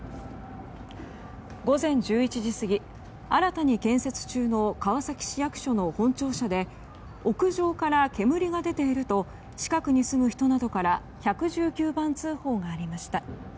午前１１時すぎ、新たに建設中の川崎市役所の本庁舎で屋上から煙が出ていると近くに住む人などから１１９番通報がありました。